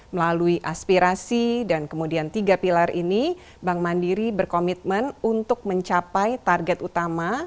melalui aspirasi dan kemudian tiga pilar ini bank mandiri berkomitmen untuk mencapai target utama